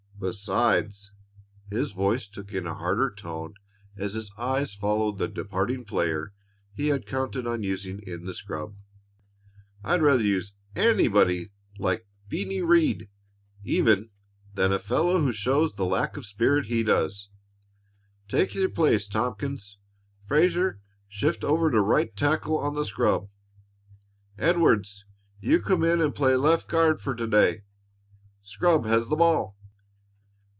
Besides," his voice took in a harder tone as his eyes followed the departing player he had counted on using in the scrub, "I'd rather use anybody little Bennie Rhead, even than a fellow who shows the lack of spirit he does. Take your place, Tompkins. Frazer, shift over to right tackle on the scrub. Edwards, you come in and play left guard for to day. Scrub has the ball."